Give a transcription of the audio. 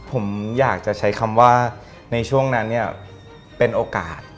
ผมอยากจะใช้คำว่าในช่วงนั้นเนี่ยเป็นโอกาส